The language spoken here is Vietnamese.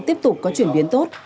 tiếp tục có chuyển biến tốt